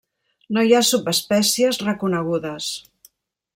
No hi ha subespècies reconegudes.